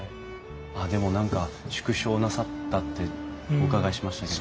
でも縮小なさったってお伺いしましたけど。